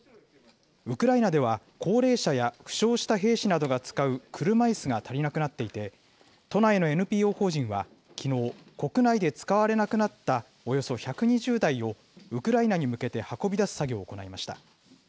ウクライナでは、高齢者や負傷した兵士などが使う車いすが足りなくなっていて、都内のＮＰＯ法人はきのう、国内で使われなくなったおよそ１２０台を、ウクライナに向けて運び出す作業を行いました。